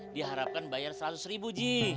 diharapkan bayar seratus ribu ji